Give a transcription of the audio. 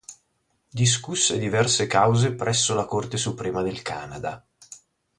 Discusse diverse cause presso la Corte suprema del Canada.